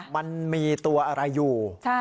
มันมีตัวอะไรอยู่